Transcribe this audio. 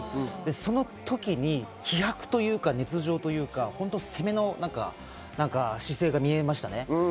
その時に気迫というか熱情というか、攻めの姿勢が見えましたね。